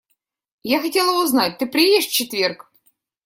Я хотела узнать, ты приедешь в четверг?